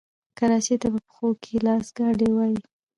کراچۍ ته په پښتو کې لاسګاډی وايي.